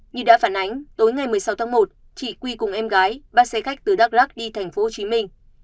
như đã phản ánh tối ngày một mươi sáu tháng một chị quy cùng em gái ba xe khách từ đắk lắc đi thành phố hồ chí minh